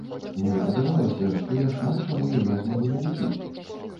Мне падавалася, што я шмат чаму яе змагу навучыць.